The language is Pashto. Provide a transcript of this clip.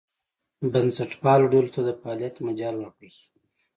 بنسټپالو ډلو ته د فعالیت مجال ورکړل شو.